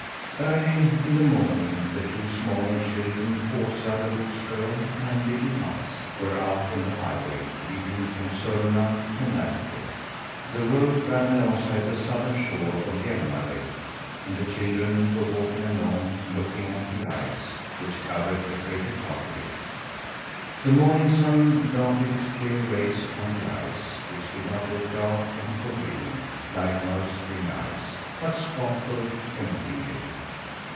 Early in the morning the two Småland children, Osa, the goose girl, and little Mats, were out on the highway leading from Sörmland to Närke. The road ran alongside the southern shore of Hjälmar Lake and the children were walking along looking at the ice, which covered the greater part of it. The morning sun darted its clear rays upon the ice, which did not look dark and forbidding, like most spring ice, but sparkled temptingly.